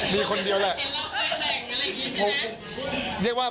มีคนเดียวแหละ